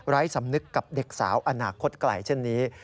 สำนึกกับเด็กสาวอนาคตไกลเช่นนี้